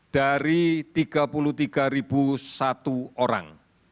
dari tiga puluh tiga satu orang